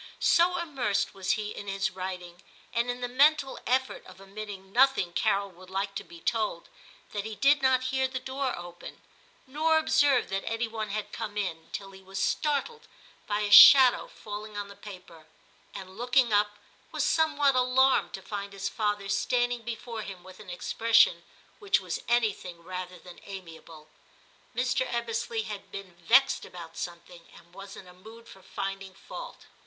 So immersed was he in his writing, and in the mental effort of omitting nothing Carol would like to be told, that he did not hear the door open, nor observe that any one had come in, till he X TIM 215 was startled by a shadow falling on the paper, and looking up, was somewhat alarmed to find his father standing before him with an expression which was anything rather than amiable. Mr. Ebbesley had been vexed about something, and was in a mood for finding fault.